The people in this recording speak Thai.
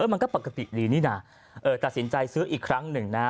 มันก็ปกติดีนี่นะตัดสินใจซื้ออีกครั้งหนึ่งนะ